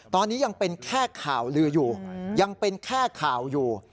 ตอนนี้ยังเป็นแค่ข่าวลืออยู่